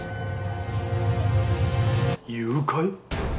誘拐？